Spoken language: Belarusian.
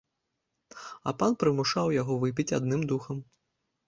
А пан прымушаў яго выпіць адным духам.